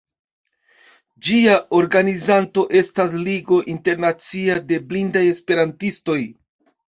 Ĝia organizanto estas Ligo Internacia de Blindaj Esperantistoj.